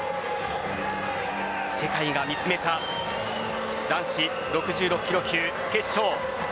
世界が見つめた男子６６キロ級決勝。